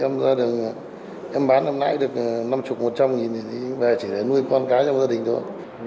em ra đường em bán năm nay được năm mươi một trăm linh nghìn thì bà chỉ để nuôi con cái trong gia đình thôi